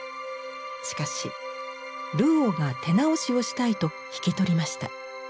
しかしルオーが手直しをしたいと引き取りました。